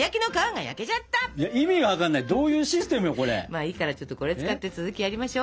まあいいからちょっとこれ使って続きやりましょ。